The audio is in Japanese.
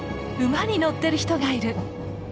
馬に乗ってる人がいる！